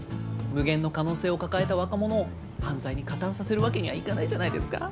無限の可能性を抱えた若者を犯罪に加担させるわけにはいかないじゃないですか。